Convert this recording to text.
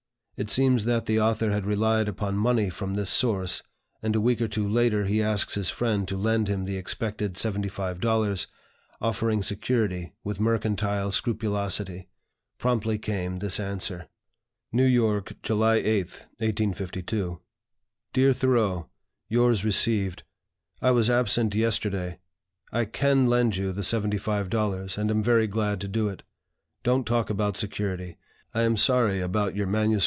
It seems that the author had relied upon money from this source, and a week or two later he asks his friend to lend him the expected seventy five dollars, offering security, with mercantile scrupulosity. Promptly came this answer: "NEW YORK, July 8, 1852. "DEAR THOREAU, Yours received. I was absent yesterday. I can lend you the seventy five dollars, and am very glad to do it. Don't talk about security. I am sorry about your MSS.